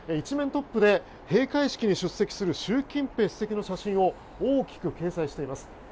１面トップで閉会式に出席する習近平主席の写真を大きく掲載しています。